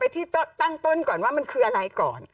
ที่ตั้งต้นก่อนว่ามันคืออะไรก่อน